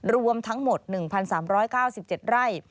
รวมทั้งหมด๑๓๙๗ไร่